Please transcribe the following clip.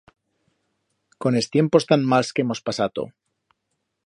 Con es tiempos tan mals que hemos pasato...